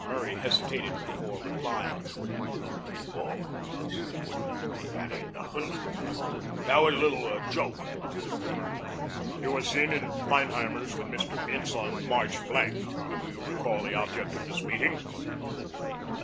Murray hesitated before replying. "Oh," he said, "that ain't nothing. That was just a little joke." "You were seen in Feinheimer's with Mr. Bince on March Do you recall the object of this meeting?"